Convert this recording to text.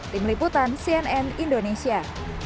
tim liputan cnn indonesia